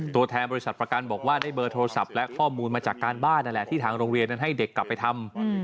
ตัวแทนบริษัทประกันบอกว่าเด็กโทรศัพท์และฟอร์มูลมาจากครั้งบ้านที่ทางโรงเรียนนั้นให้เด็กกลับไปทำ